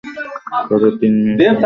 তাদের তিন মেয়ে সন্তান রয়েছে।